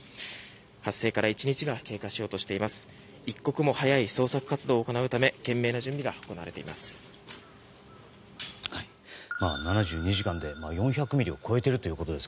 発生から１日が経過しようとしています。